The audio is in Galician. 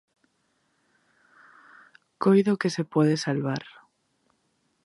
Coido que se pode salvar.